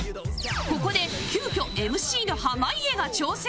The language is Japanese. ここで急きょ ＭＣ の濱家が挑戦